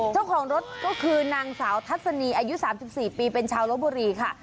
เจ้าของรถก็คือนางสาวทัศนีอายุ๓๔ปีเป็นชาวลบบุรีค่ะ